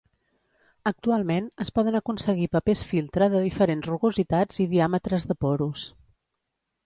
Actualment es poden aconseguir papers filtre de diferents rugositats i diàmetres de porus.